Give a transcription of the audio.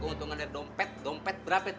kok untungan dari dompet dompet berapa tuh